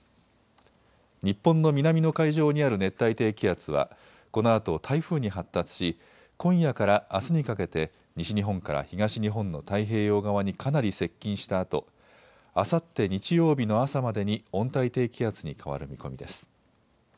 日本の南の海上にある熱帯低気圧はこのあと台風に発達し今夜からあすにかけて西日本から東日本の太平洋側にかなり接近したあとあさって日曜日の朝までに温帯低気圧に変わる見込みです。